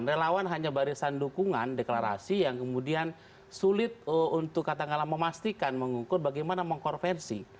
relawan hanya barisan dukungan deklarasi yang kemudian sulit untuk katakanlah memastikan mengukur bagaimana mengkorvensi